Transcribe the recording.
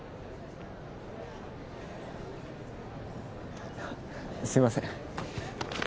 あっすいません。